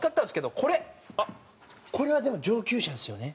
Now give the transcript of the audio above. これはでも上級者ですよね。